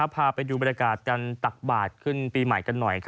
พาไปดูบรรยากาศการตักบาทขึ้นปีใหม่กันหน่อย